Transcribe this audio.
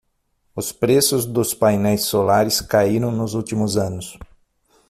Os preços dos painéis solares caíram nos últimos anos.